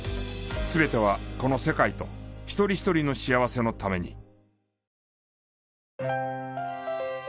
全てはこの世界と一人一人の幸せのために。